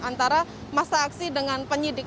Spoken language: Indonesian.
antara masa aksi dengan penyidik